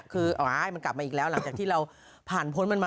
คือให้มันกลับมาอีกแล้วหลังจากที่เราผ่านพ้นมันมา